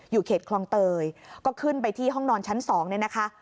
เขตคลองเตยก็ขึ้นไปที่ห้องนอนชั้น๒เนี่ยนะคะ